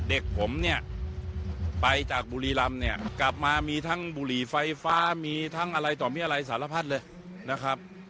เด็กผมเนี่ยไปจากบุรีรำเนี่ยกลับมามีทั้งบุหรี่ไฟฟ้ามีทั้งอะไรต่อมีอะไรสารพัดเลยนะครับ